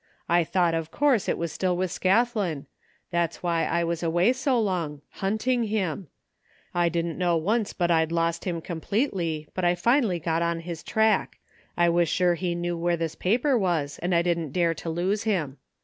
I thought, of course, it was still with Scathlin. That is why I was away so 186 THE FINDING OF JASPER HOLT long, hunting him, I didn't know once but I'd lost him completely, but I finally got on his track. I was sure he knew where this paper was and I didn't dare to lose him.